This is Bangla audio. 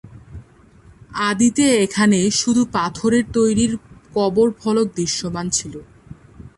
আদিতে এখানে শুধু পাথরের তৈরি কবর ফলক দৃশ্যমান ছিল।